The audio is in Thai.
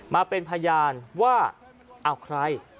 มาเป็นพยานว่าเอาใคร